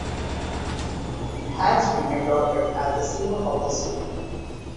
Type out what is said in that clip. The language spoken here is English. It has been adopted as the symbol of the city.